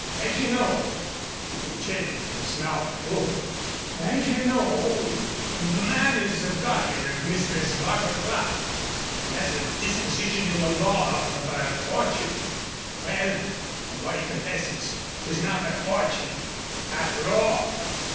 "As ye know," he continued, his mouth full "as ye know, the man is the guardian of Mistress Barbara Clerke. He has the disposition in the law of her fortune. Well, from what he confesses, 'tis not her fortune, after all."